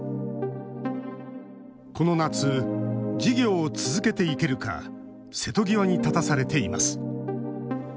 この夏、事業を続けていけるか瀬戸際に立たされています。